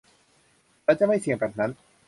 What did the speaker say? ฉันจะไม่เสี่ยงแบบนั้น